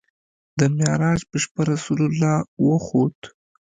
د معراج په شپه رسول الله وخوت.